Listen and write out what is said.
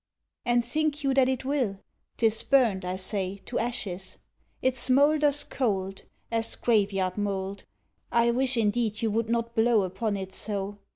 And think you that it will? 'T is burned, I say, to ashes. It smoulders cold As grave yard mould. I wish indeed you would not blow Upon it so!